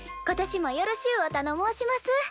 今年もよろしゅうおたのもうします。